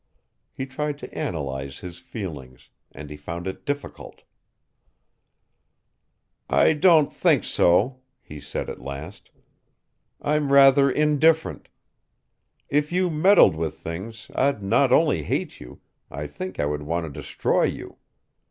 He tried to analyze his feelings, and he found it difficult. "I don't think so," he said at last. "I'm rather indifferent. If you meddled with things I'd not only hate you, I think I would want to destroy you.